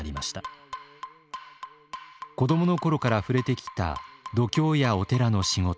子どもの頃から触れてきた読経やお寺の仕事。